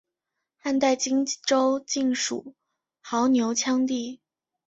汉代今州境属牦牛羌地。